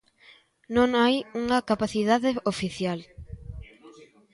Non hai unha capacidade oficial.